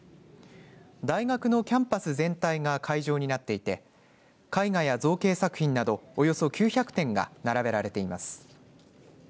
大学のキャンパス全体が会場になっていて絵画や造形作品などおよそ９００点が並べられています。